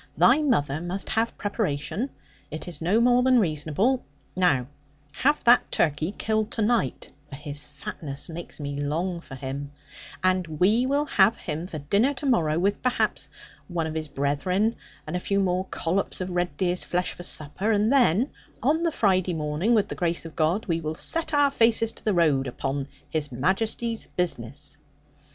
Thy mother must have preparation: it is no more than reasonable. Now, have that turkey killed to night (for his fatness makes me long for him), and we will have him for dinner to morrow, with, perhaps, one of his brethren; and a few more collops of red deer's flesh for supper, and then on the Friday morning, with the grace of God, we will set our faces to the road, upon His Majesty's business.'